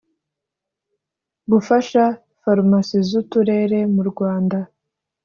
gufasha farumasi z uturere murwanda